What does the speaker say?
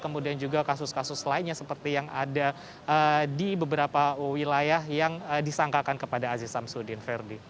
kemudian juga kasus kasus lainnya seperti yang ada di beberapa wilayah yang disangkakan kepada aziz samsudin ferdi